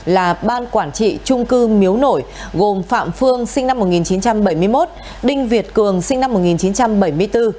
là ban quản trị trung cư miếu nổi gồm phạm phương sinh năm một nghìn chín trăm bảy mươi một đinh việt cường sinh năm một nghìn chín trăm bảy mươi bốn